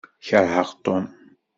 Keṛheɣ Tom.